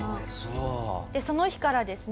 その日からですね